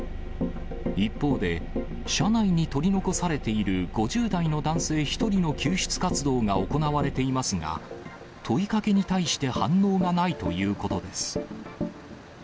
一方で、車内に取り残されている５０代の男性１人の救出活動が行われていますが、問いかけに対して反応がないということです。